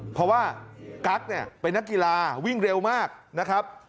เพราะว่ากั๊กเนี่ยเป็นนักกีฬาวิ่งเร็วมากนะครับ